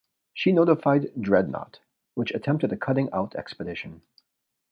She notified "Dreadnought", which attempted a cutting out expedition.